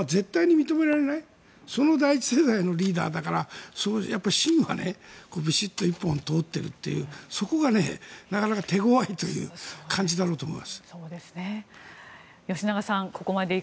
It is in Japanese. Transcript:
絶対に認められないその第１世代のリーダーだから芯が１本びしっと通っているというそれがなかなか手ごわいという感じだと思います。